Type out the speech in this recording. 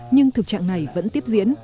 nhưng thực trạng này vẫn tiếp diễn